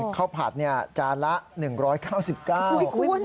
ข้าวผัดจานละ๑๙๙บาท